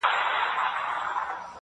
ځان یې دروند سو لکه کاڼی په اوبو کي!.